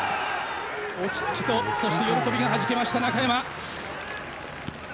落ち着きとそして喜びはじけました、中山。